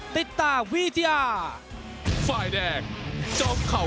ติตาวิทยา